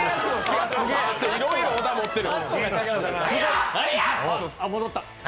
いろいろ小田持ってる。